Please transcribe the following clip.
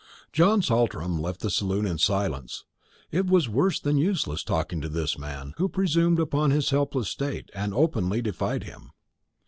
John Saltram left the saloon in silence. It was worse than useless talking to this man, who presumed upon his helpless state, and openly defied him.